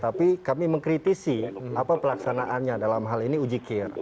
tapi kami mengkritisi apa pelaksanaannya dalam hal ini uji kir